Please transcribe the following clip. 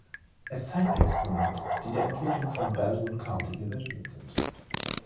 Es zeigt Exponate, die der Entwicklung von Baldwin County gewidmet sind.